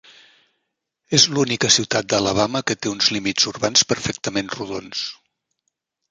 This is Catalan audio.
És l'única ciutat d'Alabama que té uns límits urbans perfectament rodons.